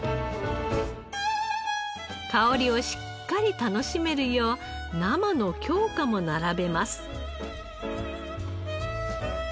香りをしっかり楽しめるよう生の京香も並べます。